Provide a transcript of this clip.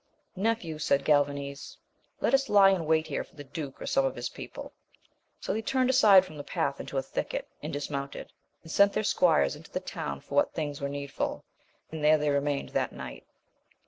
Nephew, said Galvanes, let us lie in wait here for the duke or some of his people 1 So they turned aside from the path into a thicket, and dismounted, and sent their squires into the town for what things were needful, and there they remained that night.